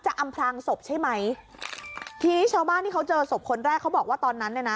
อำพลางศพใช่ไหมทีนี้ชาวบ้านที่เขาเจอศพคนแรกเขาบอกว่าตอนนั้นเนี่ยนะ